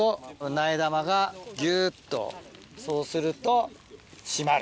苗玉がぎゅっとそうすると締まる。